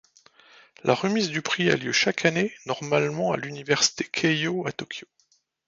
La remise du prix a lieu chaque année normalement à l'université Keiō à Tokyo.